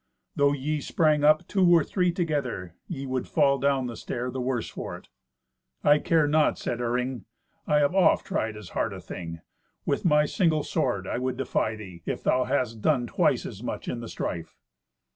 Though ye sprang up two or three together, ye would fall down the stair the worse for it." "I care not," said Iring. "I have oft tried as hard a thing. With my single sword I would defy thee, if thou hadst done twice as much in the strife."